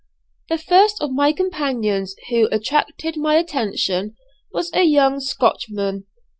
The first of my companions who attracted my attention was a young Scotchman.